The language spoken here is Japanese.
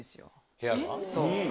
そう。